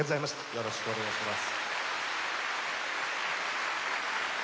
よろしくお願いします。